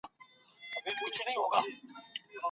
مطالعه د انسان اړیکي له نورو سره ښه کوي.